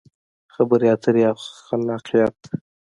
خبرې اترې او خلاقیت: